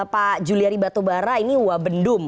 pak juliari batubara ini wabendum